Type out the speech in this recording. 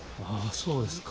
そうですか。